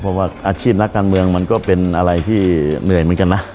เพราะว่าอาชีพนักการเมืองมันก็เป็นอะไรที่เหนื่อยเหมือนกันนะ